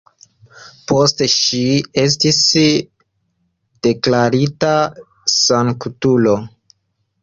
Poste ŝi estis deklarita sanktulo.